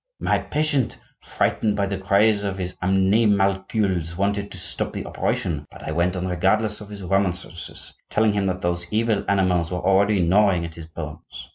"My patient, frightened by the cries of his animalcules, wanted to stop the operation; but I went on regardless of his remonstrances; telling him that those evil animals were already gnawing at his bones.